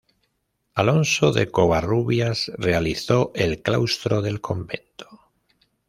Alonso de Covarrubias realizó el claustro del convento.